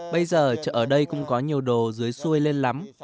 bây giờ ở đây cũng có nhiều đồ dưới xuôi lên lắm